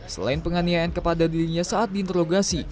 selain penganiayaan kepada dirinya saat diinterogasi